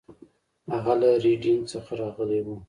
هغه له ریډینګ څخه راغلی و.